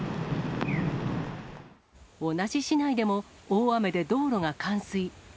同じ市内でも、大雨で道路が冠水。